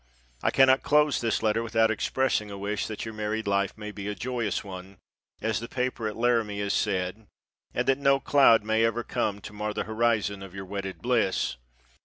I cannot close this letter without expressing a wish that your married life may be a joyous one, as the paper at Laramie has said, "and that no cloud may ever come to mar the horizon of your wedded bliss."